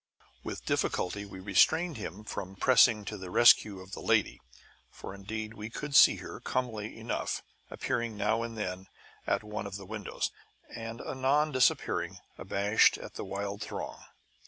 With difficulty we restrained him from pressing to the rescue of the lady (for indeed we could see her, comely enough, appearing now and then at one of the windows; and anon disappearing, abashed at the wild throng).